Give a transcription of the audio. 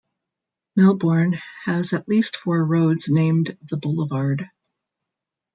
Melbourne has at least four roads named the Boulevard.